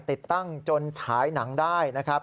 ติดตั้งจนฉายหนังได้นะครับ